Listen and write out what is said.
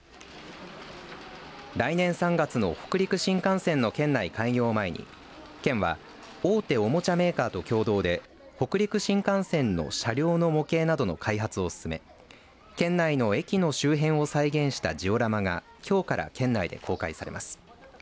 来年３月の北陸新幹線の県内開業を前に県は大手おもちゃメーカーと共同で北陸新幹線の車両の模型などの開発を進め県内の駅の周辺を再現したジオラマがきょうから県内で公開されます。